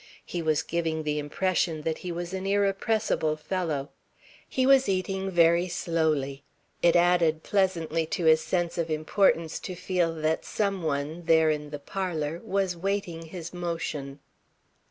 He was giving the impression that he was an irrepressible fellow. He was eating very slowly. It added pleasantly to his sense of importance to feel that some one, there in the parlour, was waiting his motion.